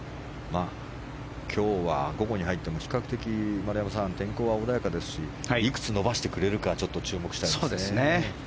今日は、午後に入っても比較的丸山さん、天候は穏やかですしいくつ伸ばしてくれるか注目したいですね。